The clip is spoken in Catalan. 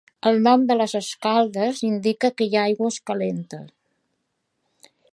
El nom de les Escaldes indica que hi ha aigües calentes.